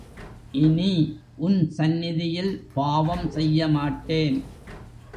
இனி, உன் சந்நிதியில் பாவம் செய்யமாட்டேன்.